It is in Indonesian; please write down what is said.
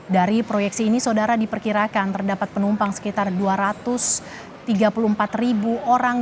dari proyeksi ini saudara diperkirakan terdapat penumpang sekitar dua ratus tiga puluh empat ribu orang